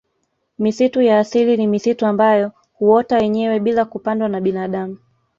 Misitu ya asili ni misitu ambayo huota yenyewe bila kupandwa na binadamu